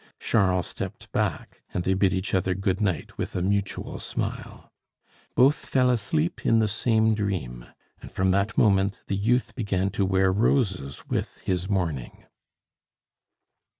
Charles stepped back, and they bid each other good night with a mutual smile. Both fell asleep in the same dream; and from that moment the youth began to wear roses with his mourning.